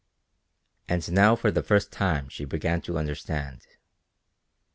And now for the first time she began to understand.